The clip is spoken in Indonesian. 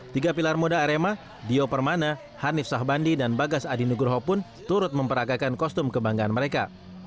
tiga pilar muda arema dio permana hanif sahbandi dan bagas adi nugroho pun turut memperagakan kostum kebanggaan mereka